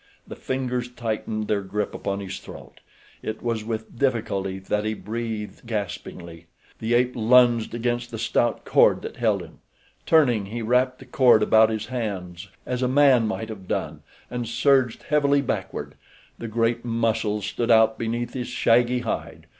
The fingers tightened their grip upon his throat. It was with difficulty that he breathed, gaspingly. The ape lunged against the stout cord that held him. Turning, he wrapped the cord about his hands, as a man might have done, and surged heavily backward. The great muscles stood out beneath his shaggy hide.